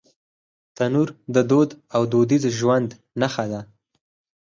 تنور د دود او دودیز ژوند نښه ده